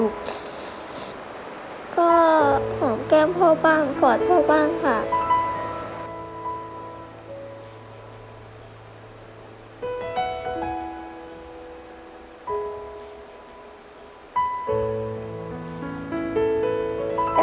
ค่ะ